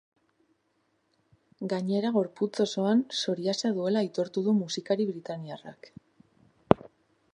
Gainera, gorputz osoan psoriasia duela aitortu du musikari britainiarrak.